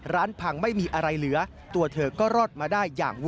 พังไม่มีอะไรเหลือตัวเธอก็รอดมาได้อย่าง